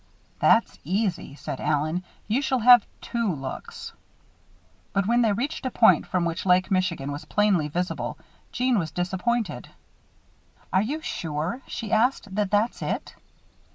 "That's easy," said Allen. "You shall have two looks." But when they reached a point from which Lake Michigan was plainly visible, Jeanne was disappointed. "Are you sure," she asked, "that that's it?"